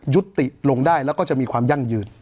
ยุติลงได้แล้วก็จะมีความยั่งยืน